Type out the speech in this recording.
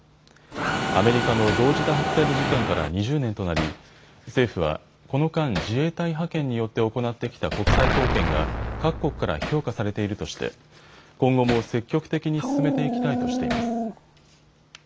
アメリカの同時多発テロ事件から２０年となり政府は、この間、自衛隊派遣によって行ってきた国際貢献が各国から評価されているとして今後も積極的に進めていきたいとしています。